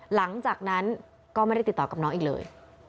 หลังจากนั้นก็ไม่ได้ติดต่อกับน้องอีกเลย